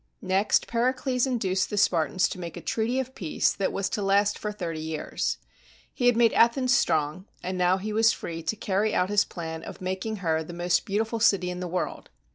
Next, Pericles induced the Spartans to make a treaty of peace that was to last for thirty years. He had made Athens strong, and now he was free to carry out his plan of making her the most beautiful city in the world.